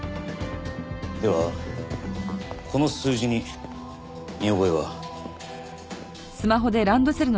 ではこの数字に見覚えは？